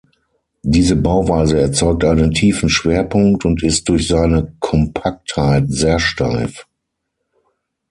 Diese Bauweise erzeugt einen tiefen Schwerpunkt und ist durch seine Kompaktheit sehr steif.